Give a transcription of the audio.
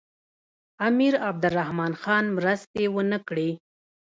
امیر عبدالرحمن خان مرستې ونه کړې.